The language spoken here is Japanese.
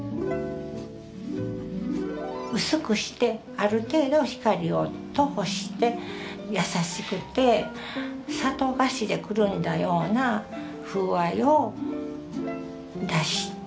薄くしてある程度光を通して優しくて砂糖菓子でくるんだような風合いを出してますので。